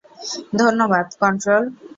ধন্যবাদ, কন্ট্রোল।